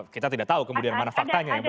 kita tidak tahu kemudian mana faktanya ya